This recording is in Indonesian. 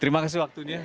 terima kasih waktunya